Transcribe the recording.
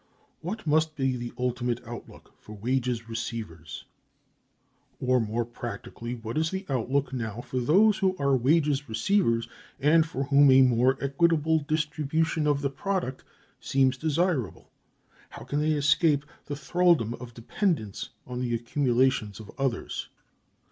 What must be the ultimate outlook for wages receivers? Or, more practically, what is the outlook now for those who are wages receivers, and for whom a more equitable distribution of the product seems desirable? How can they escape the thralldom of dependence on the accumulations of others?